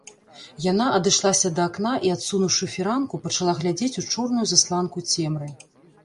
Яна адышлася да акна і, адсунуўшы фіранку, пачала глядзець у чорную засланку цемры.